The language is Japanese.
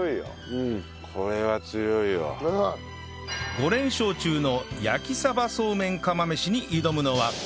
５連勝中の焼鯖そうめん釜飯に挑むのは